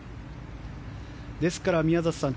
ですから宮里さん